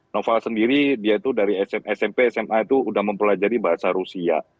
noval sendiri dia itu dari smp sma itu sudah mempelajari bahasa rusia